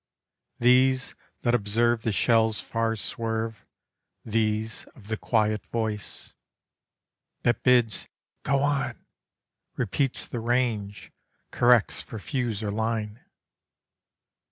These, that observe the shell's far swerve, these of the quiet voice, That bids "go on," repeats the range, corrects for fuse or line...